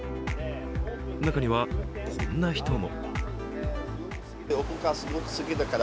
中には、こんな人も。